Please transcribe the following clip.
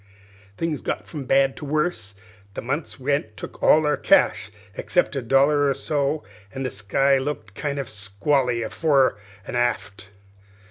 "Things got from bad to worse; the month's rent took all our cash except a dollar or so, an' the sky looked kind o' squally fore an' aft.